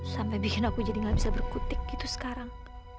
sampai bikin aku jadi gak bisa berkutik gitu sekarang